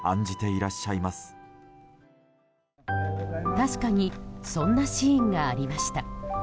確かにそんなシーンがありました。